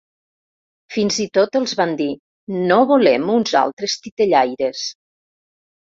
Fins i tot els van dir: “No volem uns altres titellaires”.